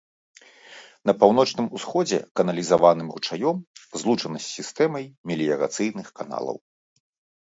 На паўночным усходзе каналізаваным ручаём злучана з сістэмай меліярацыйных каналаў.